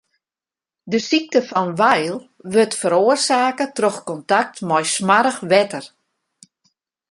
De sykte fan Weil wurdt feroarsake troch kontakt mei smoarch wetter.